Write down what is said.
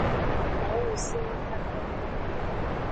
Mawu ngusenwo katato.